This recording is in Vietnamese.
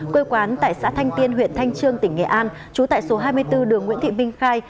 quê quán tại xã thanh tiên huyện thanh trương tỉnh nghệ an trú tại số hai mươi bốn đường nguyễn thị minh khai